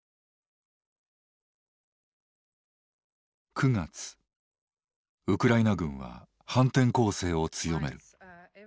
９月ウクライナ軍は反転攻勢を強める。